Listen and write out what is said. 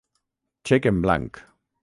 Xec en blanc.